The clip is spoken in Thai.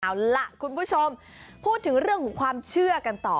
เอาล่ะคุณผู้ชมพูดถึงเรื่องของความเชื่อกันต่อ